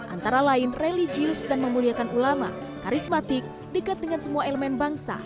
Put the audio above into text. antara lain religius dan memuliakan ulama karismatik dekat dengan semua elemen bangsa